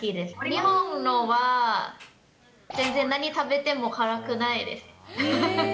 日本のは全然、何食べても辛くないです。